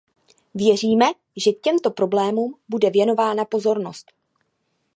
Věříme, že těmto problémům bude věnována pozornost.